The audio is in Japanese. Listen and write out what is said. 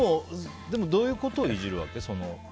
でも、どういうことをいじるわけ？